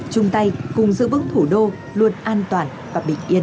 chung tay cùng giữ vững thủ đô luôn an toàn và bình yên